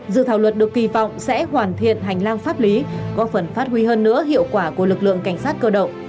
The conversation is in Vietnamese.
dự thảo luật được kỳ vọng sẽ hoàn thiện hành lang pháp lý góp phần phát huy hơn nữa hiệu quả của lực lượng cảnh sát cơ động